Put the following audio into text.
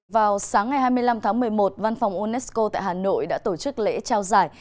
vào sáng ngày hai mươi năm tháng một mươi một văn phòng unesco tại hà nội đã tổ chức lễ trao giải